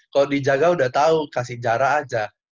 kalau dijaga udah tahu kasih jarak aja